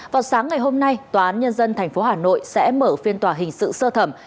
vào sáng ngày hôm nay tòa án nhân dân tp hà nội sẽ mở phiên tòa hình sự sơ thẩm